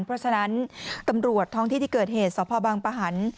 เพราะฉะนั้นตำรวจท้องที่ที่เกิดเหตุสพบังปะหัน